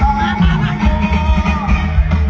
อ้าว